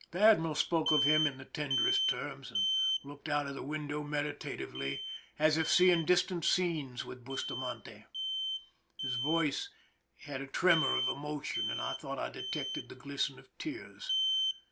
The admiral spoke of him in the tenderest terms, and looked out of the window meditatively, as if seeing distant scenes with Bus tamante. His voice had a tremor of emotion, and I thought I detected the glisten of tears.